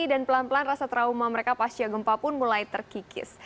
dan pelan pelan rasa trauma mereka pasca gempa pun mulai terkikis